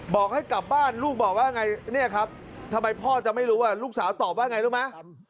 บอกให้กลับบ้านลูกบอกว่าไงเนี่ยครับทำไมพ่อจะไม่รู้ลูกสาวตอบว่าไงรู้ไหม